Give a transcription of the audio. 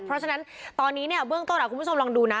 เพราะฉะนั้นตอนนี้เนี่ยเบื้องต้นคุณผู้ชมลองดูนะ